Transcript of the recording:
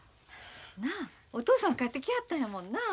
なあお父さん帰ってきはったんやもんなあ。